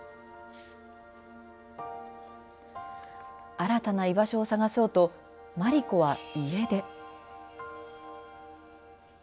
新たな居場所を探そうとまり子は家出。